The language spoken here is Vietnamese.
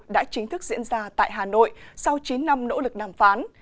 đã chính thức diễn ra tại hà nội sau chín năm nỗ lực đàm phán